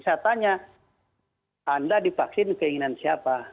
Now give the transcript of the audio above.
saya tanya anda divaksin keinginan siapa